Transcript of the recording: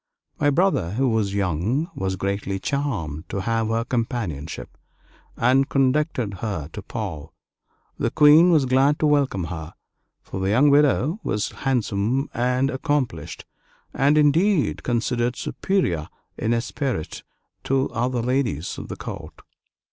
My brother, who was young, was greatly charmed to have her companionship, and conducted her to Pau. The Queen was glad to welcome her, for the young widow was handsome and accomplished, and indeed considered superior in esprit to the other ladies of the court.